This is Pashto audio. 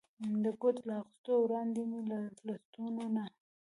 د کوټ له اغوستو وړاندې مې له لستوڼو نه.